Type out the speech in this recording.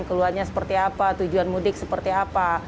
keluarnya seperti apa tujuan mudik seperti apa